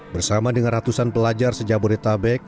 bersama dengan ratusan pelajar sejabur etabek